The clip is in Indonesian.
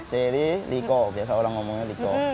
buah kana buah ceri riko biasa orang ngomongnya riko